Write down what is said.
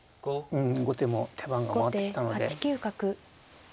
うん後手も手番が回ってきたので。